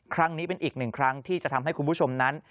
ครั้งนี้เป็นอีกหนึ่งครั้งที่จะทำให้คุณผู้ชมนั้น